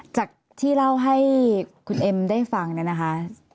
จากที่เล่าให้คุณเอ็มได้ฟังเนี่ยนะคะ